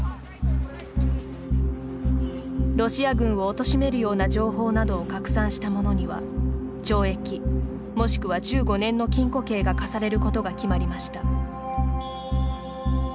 ロシア軍をおとしめるような情報などを拡散した者には懲役もしくは１５年の禁錮刑が科されることが決まりました。